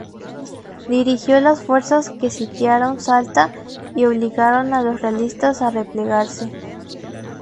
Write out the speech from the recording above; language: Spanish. Dirigió las fuerzas que sitiaron Salta y obligaron a los realistas a replegarse.